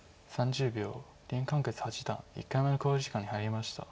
林漢傑八段１回目の考慮時間に入りました。